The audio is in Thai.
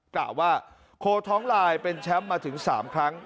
กล่าวว่าโคท้องลายเป็นแชมป์มาถึง๓ครั้ง